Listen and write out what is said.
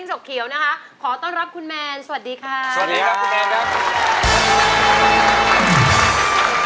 สวัสดีครับคุณแมนครับ